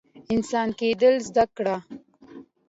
انسان کیدل زده کړئ